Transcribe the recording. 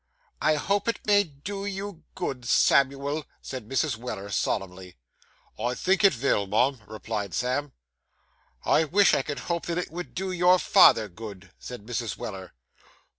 'I hope it may do you good, Samuel,' said Mrs. Weller solemnly. 'I think it vill, mum,' replied Sam. 'I wish I could hope that it would do your father good,' said Mrs. Weller.